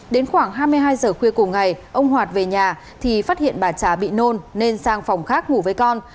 đến khoảng hai mươi hai giờ khuya cùng ngày ông hoạt về nhà thì phát hiện bà trà bị nôn nên sang phòng khác ngủ với con